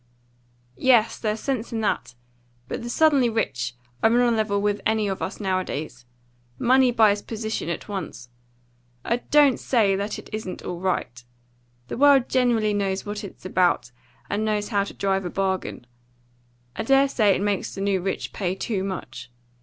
"Yes, there's sense in that. But the suddenly rich are on a level with any of us nowadays. Money buys position at once. I don't say that it isn't all right. The world generally knows what it's about, and knows how to drive a bargain. I dare say it makes the new rich pay too much.